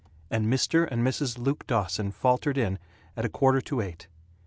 and Mr. and Mrs. Luke Dawson faltered in, at a quarter to eight.